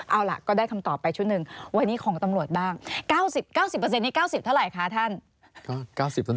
เอาล่ะก็ได้คำตอบไปชุดหนึ่งวันนี้ของตำรวจบ้าง๙๐๙๐นี้๙๐เท่าไหร่คะท่าน